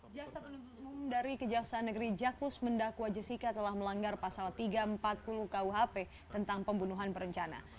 jaksa penuntut umum dari kejaksaan negeri jakus mendakwa jessica telah melanggar pasal tiga ratus empat puluh kuhp tentang pembunuhan berencana